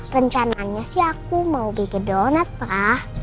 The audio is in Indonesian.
rencananya sih aku mau bikin donat pak